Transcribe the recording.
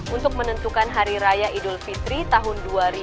untuk menentukan hari raya idul fitri tahun dua ribu dua puluh